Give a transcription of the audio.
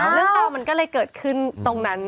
เรื่องราวมันก็เลยเกิดขึ้นตรงนั้น